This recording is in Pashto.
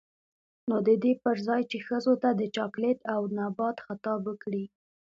نـو د دې پـر ځـاى چـې ښـځـو تـه د چـاکـليـت او نـبـات خـطاب وکـړي.